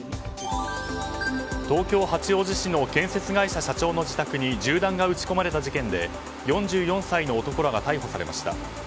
東京・八王子市の建設会社社長の自宅に銃弾が撃ち込まれた事件で４４歳の男らが逮捕されました。